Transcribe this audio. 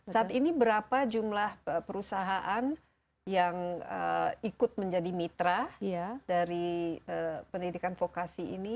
saat ini berapa jumlah perusahaan yang ikut menjadi mitra dari pendidikan vokasi ini